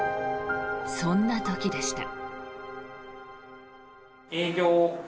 そんな時でした。